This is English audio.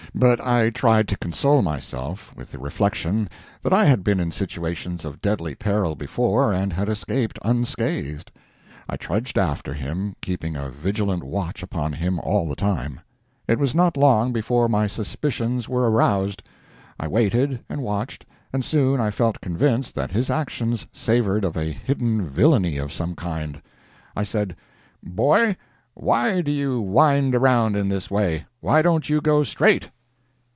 But I tried to console myself with the reflection that I had been in situations of deadly peril before and had escaped unscathed. I trudged after him, keeping a vigilant watch upon him all the time. It was not long before my suspicions were aroused. I waited and watched, and soon I felt convinced that his actions savored of a hidden villainy of some kind. I said: "Boy, why do you wind around in this way—why don't you go straight?"